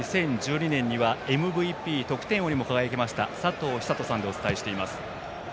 ２０１２年にはＭＶＰ得点王にも輝きました佐藤寿人さんでお伝えしています。